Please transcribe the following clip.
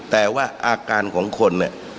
แต่ว่าอาการของคนเนี่ย